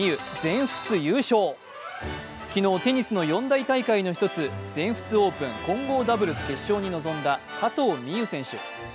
昨日、テニスの四大大会の１つ、全仏オープン混合ダブルス決勝に臨んだ加藤未唯選手。